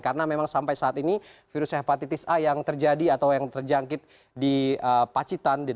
karena memang sampai saat ini virus hepatitis a yang terjadi atau yang terjangkit di pacitan